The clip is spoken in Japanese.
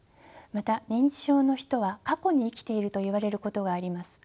また認知症の人は過去に生きていると言われることがあります。